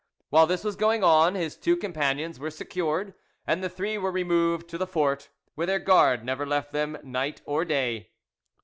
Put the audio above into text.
While, this was going on, his two companions were secured, and the three were removed to the fort, where their guard never left them night or day.